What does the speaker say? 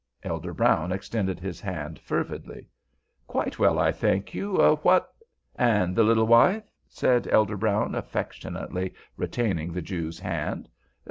Elder Brown extended his hand fervidly. "Quite well, I thank you. What—" "And the little wife?" said Elder Brown, affectionately retaining the Jew's hand.